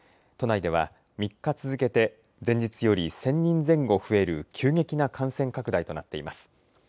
都内では３日続けて前日より１０００人前後増える、急激な感染拡大となっています。